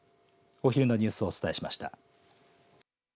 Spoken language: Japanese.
お昼のニュースをお伝えしました。